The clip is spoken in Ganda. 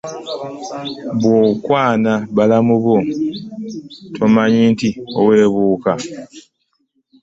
Bw'okwana balamu bo tomanyi nti oweebuuka?